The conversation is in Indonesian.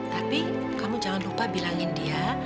tapi kamu jangan lupa bilangin dia